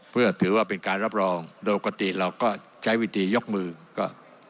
เพื่อถือว่าเป็นการรับรองโดยปกติเราก็ใช้วิธียกมือก็